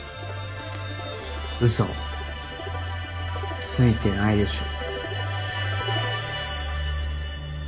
嘘ついてないでしょ？